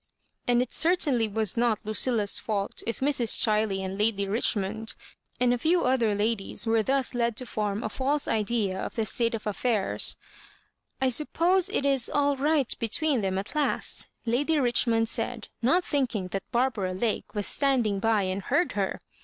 And it certainly was not Lucilla's mult if Mrs. Chiley and Lady Richmond, and a few other ladies, were thus led to form a false idea of the state of affairs. " I suppose it is all right between them at last," Lady Richmond said, not thinking that Barbara Lake was standing by and heard her.